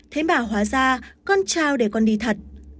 thế mà hóa ra con chào để con đi thật